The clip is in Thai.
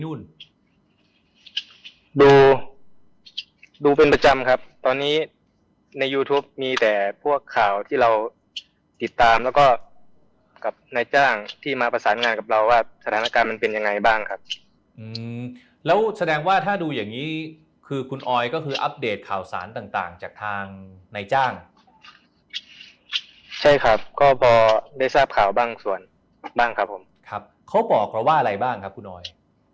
ดูดูเป็นประจำครับตอนนี้ในยูทูปมีแต่พวกข่าวที่เราติดตามแล้วก็กับนายจ้างที่มาประสานงานกับเราว่าสถานการณ์มันเป็นยังไงบ้างครับอืมแล้วแสดงว่าถ้าดูอย่างงี้คือคุณออยก็คืออัปเดตข่าวสารต่างต่างจากทางนายจ้างใช่ครับก็พอได้ทราบข่าวบางส่วนบ้างครับผมครับเขาบอกเราว่าอะไรบ้างครับคุณออย